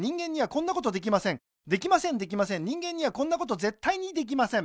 できませんできません人間にはこんなことぜったいにできません